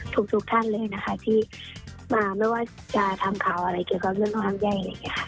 ทุกท่านเลยนะคะที่มาไม่ว่าจะทำข่าวอะไรเกี่ยวกับเรื่องนอกการย่า